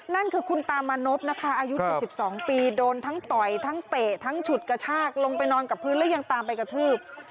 นั่นคือคุณตามานพนะคะอายุ๗๒ปีโดนทั้งต่อยทั้งเตะทั้งฉุดกระชากลงไปนอนกับพื้นแล้วยังตามไปกระทืบ